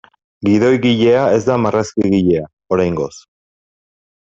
Gidoigilea da ez marrazkigilea, oraingoz.